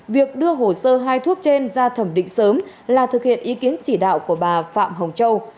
việc đưa hồ sơ hai thuốc trên ra thẩm định sớm là thực hiện ý kiến chỉ đạo của bà phạm hồng châu